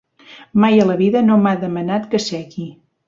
Mai a la vida no m'ha demanat que segui.